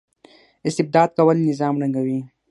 استبداد کول نظام ړنګوي